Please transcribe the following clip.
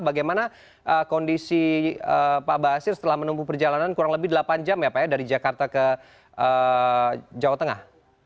bagaimana kondisi pak basir setelah menunggu perjalanan kurang lebih delapan jam ya pak ya dari jakarta ke jawa tengah